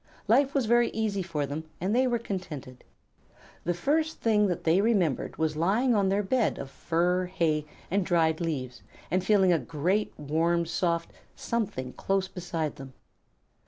Life was very easy for them, and they were contented. The first thing that they remembered was lying on their bed of fur, hay, and dried leaves, and feeling a great, warm, soft Something close beside them.